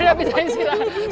udah bisa istirahat